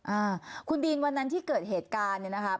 อ่าคุณดีนวันนั้นที่เกิดเหตุการณ์เนี่ยนะครับ